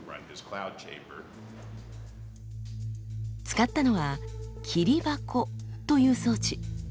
使ったのは「霧箱」という装置。